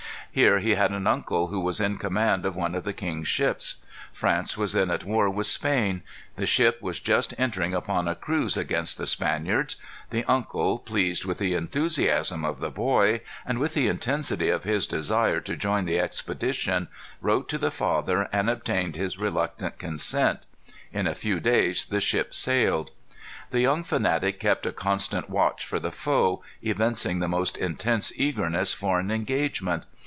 Here he had an uncle who was in command of one of the king's ships. France was then at war with Spain. The ship was just entering upon a cruise against the Spaniards. The uncle, pleased with the enthusiasm of the boy, and with the intensity of his desire to join the expedition, wrote to the father, and obtained his reluctant consent. In a few days the ship sailed. The young fanatic kept a constant watch for the foe, evincing the most intense eagerness for an engagement.